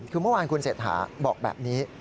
คือเมื่อวานคุณเศรษฐาบอกแบบนี้